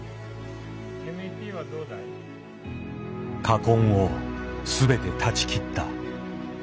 禍根を全て断ち切った。